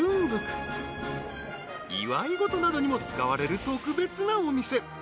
［祝い事などにも使われる特別なお店］